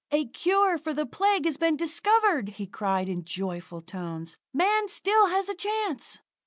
"A cure for the Plague has been discovered!" he cried in joyful tones. "Man still has a chance!"